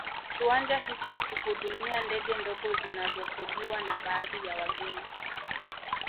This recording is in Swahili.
Kiwanja hicho huhudumia ndege ndogo zinazokodiwa na baadhi ya wageni